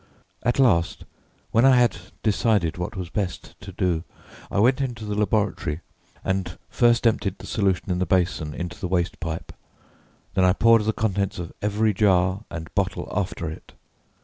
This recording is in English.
At last, when I had decided what was best to do, I went into the laboratory, and first emptied the solution in the basin into the waste pipe; then I poured the contents of every jar and bottle after it.